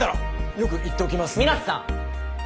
よく言っておきますんで。